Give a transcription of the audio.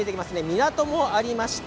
港もありました。